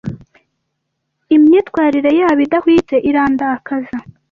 Imyitwarire yabo idahwitse irandakaza.